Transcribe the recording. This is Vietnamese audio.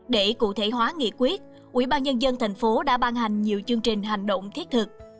để cụ thể hóa nghị quyết ubnd thành phố đã ban hành nhiều chương trình hành động thiết thực